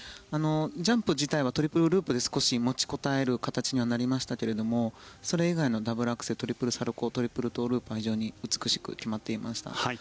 ジャンプ自体はトリプルループで少し持ちこたえる形にはなりましたけどそれ以外のダブルアクセルトリプルサルコウトリプルトウループは非常に美しく決まっていました。